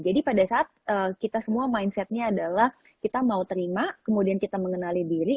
jadi pada saat kita semua mindsetnya adalah kita mau terima kemudian kita mengenali diri